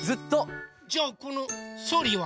じゃあこのソリは？